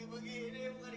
ya udah deh bang